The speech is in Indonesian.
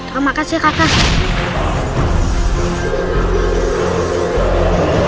terima kasih kakak